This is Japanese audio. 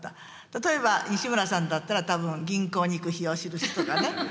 例えば西村さんだったら多分吟行に行く日を記すとかね。